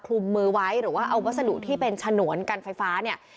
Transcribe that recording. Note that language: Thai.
คลุมมือไว้หรือว่าเอาวัสดุที่เป็นฉนวนกันไฟฟ้าเนี่ย